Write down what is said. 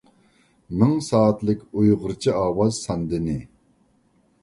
مىڭ سائەتلىك ئۇيغۇرچە ئاۋاز ساندىنى